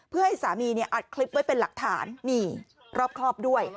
เพื่อให้สามีอัดคลิปไว้เป็นหลักฐานนี่รอบด้วย